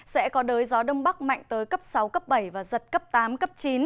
sẽ có đới gió đông bắc mạnh tới cấp sáu cấp bảy và giật cấp tám cấp chín